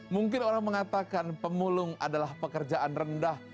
mungkin orang mengatakan pemulung adalah pekerjaan rendah